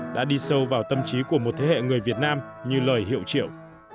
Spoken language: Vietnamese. đã đi sâu vào tâm trí của một thế hệ người việt nam như lời hiệu triệu